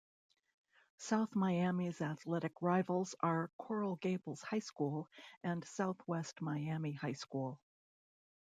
South Miami's athletic rivals are Coral Gables High School and Southwest Miami High School.